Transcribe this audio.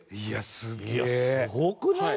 すごくない？